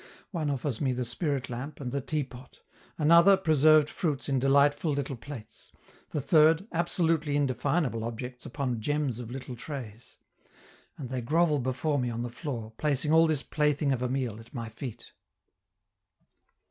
One offers me the spirit lamp and the teapot; another, preserved fruits in delightful little plates; the third, absolutely indefinable objects upon gems of little trays. And they grovel before me on the floor, placing all this plaything of a meal at my feet.